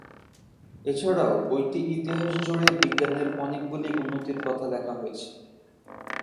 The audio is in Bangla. এছাড়াও, বইটি ইতিহাস জুড়ে বিজ্ঞানের অনেকগুলি উন্নতির কথা লেখা হয়েছে।